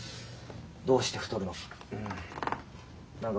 ・どうして太るのか。